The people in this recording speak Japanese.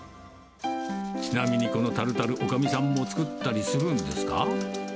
ちなみにこのタルタル、おかみさんも作ったりするんですか？